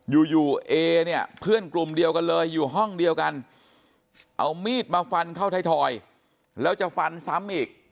อยู่อยู่เอเนี่ยเพื่อนกลุ่มเดียวกันเลยอยู่ห้องเดียวกันเอามีดมาฟันเข้าไทยทอยแล้วจะฟันซ้ำอีก